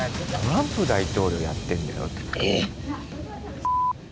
トランプ大統領やってんだよ。